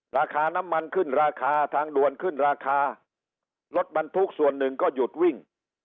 ราคาน้ำมันขึ้นราคาทางด่วนขึ้นราคารถบรรทุกส่วนหนึ่งก็หยุดวิ่ง